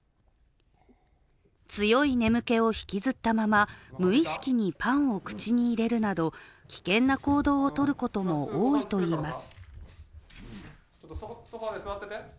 強い眠気を引きずったまま無意識にパンを口に入れるなど危険な行動をとることも多いといいます。